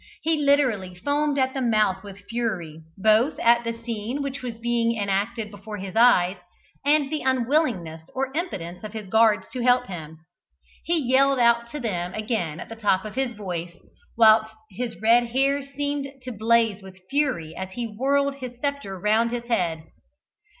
He literally foamed at the mouth with fury both at the scene which was being enacted before his eyes, and the unwillingness or impotence of his guards to help him. He yelled out to them again at the top of his voice, whilst his red hair seemed to blaze with fury as he whirled his sceptre round his head.